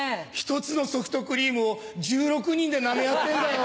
１つのソフトクリームを１６人でなめ合ってんだよ。